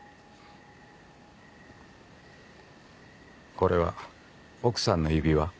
これは奥さんの指輪？